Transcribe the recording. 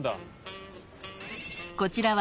［こちらは］